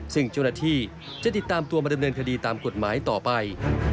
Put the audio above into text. ซึ่งเจ้าหน้าที่จะติดตามตัวมาดำเนินคดีตามกฎหมายต่อไป